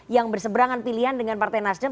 yang berseberangan pilihan dengan partai nasdem